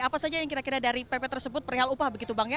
apa saja yang kira kira dari pp tersebut perihal upah begitu bang ya